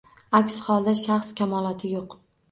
Aks holda shaxs kamoloti yo`q